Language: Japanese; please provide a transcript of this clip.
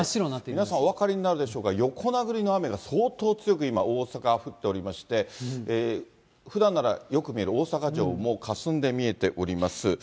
皆さん、お分かりになるでしょうか、横殴りの雨が相当強く今、大阪は降っておりまして、ふだんならよく見える大阪城もかすんで見えております。